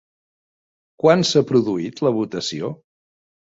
Quan s'ha produït la votació?